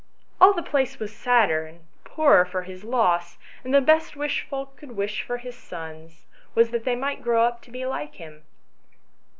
All the place was sadder and poorer for his loss, and the best wish folk could wish his sons was that they might grow up to be like him."